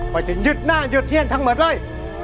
ค่อยจะยึดหน้ายึดเทียนทั้งหมดเลย